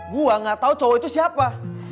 gue gatau cowok itu siapa